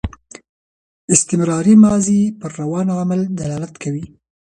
استمراري ماضي پر روان عمل دلالت کوي.